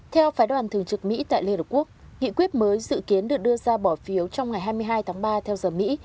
theo phái đoàn thường trực mỹ tại liên hợp quốc nghị quyết mới dự kiến được đưa ra bỏ phiếu trong ngày hai mươi hai tháng ba theo giờ mỹ